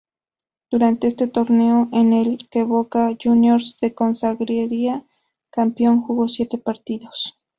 Durante este torneo, en el que Boca Juniors se consagraría campeón, jugó siete partidos.